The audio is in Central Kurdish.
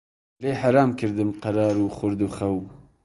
لێی حەرام کردم قەرار و خورد و خەو